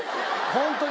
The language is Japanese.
ホントに。